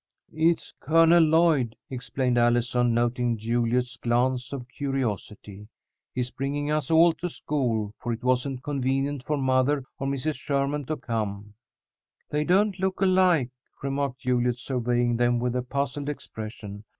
"It's Colonel Lloyd," explained Allison, noting Juliet's glance of curiosity. "He's bringing us all to school, for it wasn't convenient for mother or Mrs. Sherman to come." "They don't look alike," remarked Juliet, surveying them with a puzzled expression.